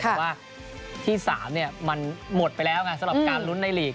แต่ว่าที่๓มันหมดไปแล้วไงสำหรับการลุ้นในลีก